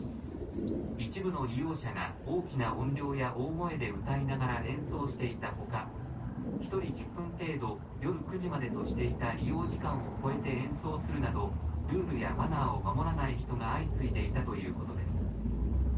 一部の利用者が大きな音量や大声で歌いながら演奏していたほか１人１０分程度夜９時までとしていた利用時間を超えて演奏するなどルールやマナーを守らない人が相次いでいたということです。